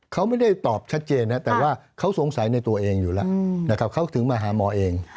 เขาไม่ได้ตอบชัดเจนนะแต่ว่าเขาสงสัยในตัวเองอยู่แล้วนะครับเขาถึงมาหาหมอเอง